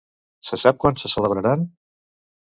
Se sap quan se celebraran?